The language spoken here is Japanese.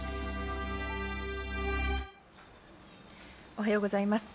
おはようございます。